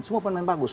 semua pemain bagus